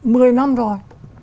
mười năm rồi